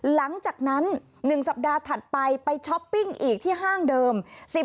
หลังจากนั้น๑สัปดาห์ถัดไปไปช้อปปิ้งอีกที่ห้างเดิม